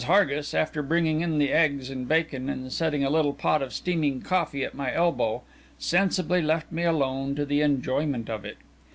Hargis, after bringing in the eggs and bacon and setting a little pot of steaming coffee at my elbow, sensibly left me alone to the enjoyment of it.